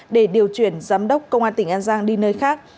để điều chuyển giám đốc công an tỉnh an giang đi nơi khác